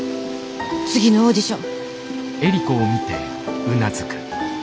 次のオーディション。